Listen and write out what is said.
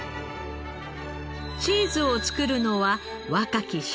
チーズを作るのは若き職人。